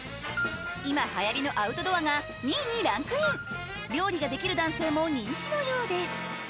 今流行りのアウトドアが２位にランクイン料理ができる男性も人気のようです